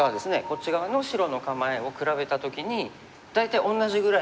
こっち側の白の構えを比べた時に大体同じぐらいに見えません？